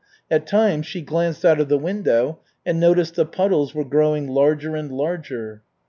At times she glanced out of the window and noticed the puddles were growing larger and larger.